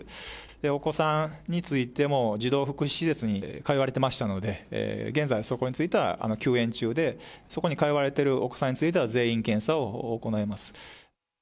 お子さんについても、児童福祉施設に通われていましたので、現在、そこについては休園中で、そこに通われてるお子さんについては全員検査を行います。